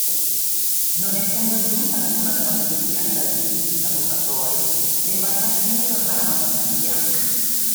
Non essendo giunta alcuna trasmissione dal team di sabotatori, le imbarcazioni tornarono a Bastia.